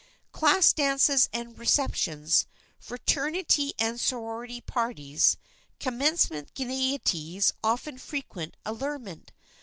Class dances and receptions, fraternity and sorority parties, commencement gaieties offer frequent allurement.